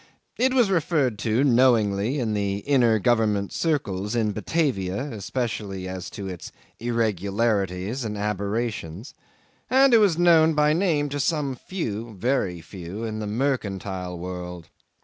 It was referred to knowingly in the inner government circles in Batavia, especially as to its irregularities and aberrations, and it was known by name to some few, very few, in the mercantile world.